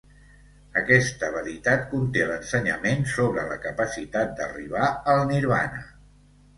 Aquesta veritat conté l'ensenyament sobre la capacitat d'arribar al Nirvana